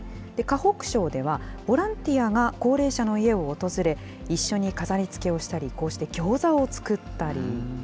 河北省では、ボランティアが高齢者の家を訪れ、一緒に飾りつけをしたり、こうしてギョーザを作ったり。